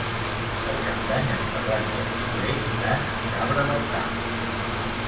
Per Cap d'Any en Ferran i en Guifré iran a Cabra del Camp.